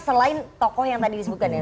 selain tokoh yang tadi disebutkan ya